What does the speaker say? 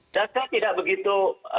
saya tidak begitu